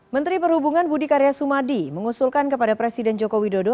menteri perhubungan budi karya sumadi mengusulkan kepada presiden joko widodo